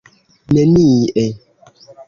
nenie